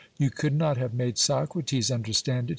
You could not have made Socrates understand it.